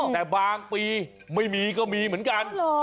แต่บางปีไม่มีก็มีเหมือนกัน